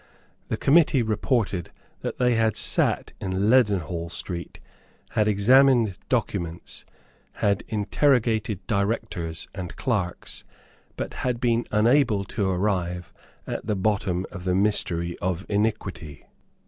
The committee reported that they had sate in Leadenhall Street, had examined documents, had interrogated directors and clerks, but had been unable to arrive at the bottom of the mystery of iniquity.